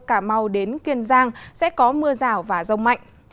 cà mau đến kiên giang sẽ có mưa rào và rông mạnh